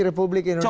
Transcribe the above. di republik indonesia